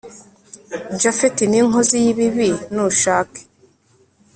japhet ni inkozi yibibi nushake